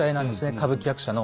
歌舞伎役者の。